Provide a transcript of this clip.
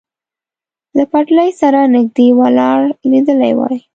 له پټلۍ سره نږدې ولاړ لیدلی وای.